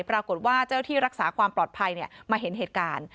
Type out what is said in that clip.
ปรากฏว่าเจ้าที่รักษาความปลอดภัยมาเห็นเหตุการณ์